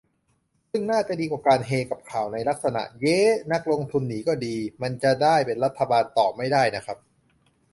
ซึ่งน่าจะดีกว่าการ เฮกับข่าว ในลักษณะ เย้ นักลงทุนหนีก็ดี มันจะได้เป็นรัฐบาลต่อไม่ได้น่ะครับ